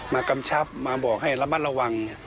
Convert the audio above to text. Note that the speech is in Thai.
กำชับมาบอกให้ระมัดระวัง